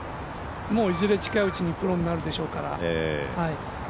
いずれ近いうちにプロになるでしょうから。